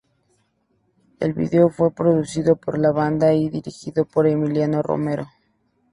El video fue producido por la banda y dirigido por Emiliano Romero.